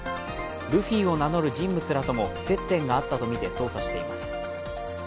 ルフィを名乗る人物らとも接点があったとみて捜査しています。